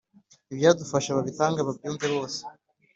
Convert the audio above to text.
ibyadufasha babitange babyumve bose